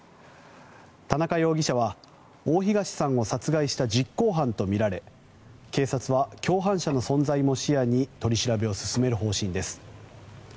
田中容疑者は大東さんを殺害した実行犯とみられ警察は共犯者の存在も視野に取り調べを進める方針です。